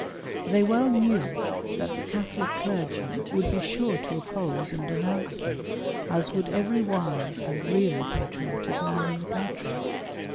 They well knew that the Catholic clergy would be sure to oppose and denounce them as would every wise and really patriotic man in the country.